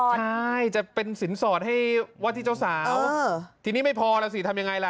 ใช่จะเป็นสินสอดให้ว่าที่เจ้าสาวทีนี้ไม่พอแล้วสิทำยังไงล่ะ